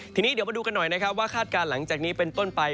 ทีนี้เดี๋ยวมาดูกันหน่อยนะครับว่าคาดการณ์หลังจากนี้เป็นต้นไป